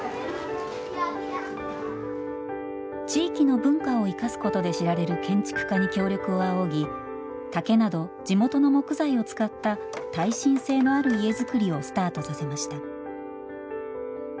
地域の文化を生かすことで知られる建築家に協力を仰ぎ竹など地元の木材を使った耐震性のある家造りをスタートさせました。